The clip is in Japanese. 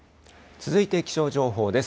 続いて気象情報です。